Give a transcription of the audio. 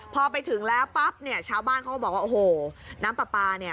พอไปถึงแล้วปั๊บเนี่ยชาวบ้านเขาก็บอกว่าโอ้โหน้ำปลาปลาเนี่ย